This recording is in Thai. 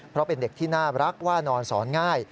เพราะเป็นเด็กที่น่ารักว่านอนสอนง่าย